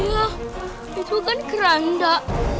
iya itu kan keranda